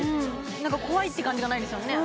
何か怖いって感じがないですよね